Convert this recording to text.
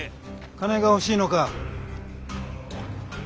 金が欲しいのか。